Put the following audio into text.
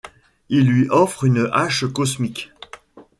Il lui offre une hache cosmique.